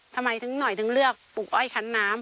ทำไมถึงหน่อยถึงเลือกปลูกอ้อยคันน้ำ